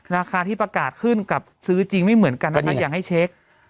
ราคาที่ประกาศขึ้นกับซื้อจริงไม่เหมือนกันนะครับอยากให้เช็ค